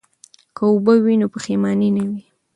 که اوبه وي نو پښیماني نه وي.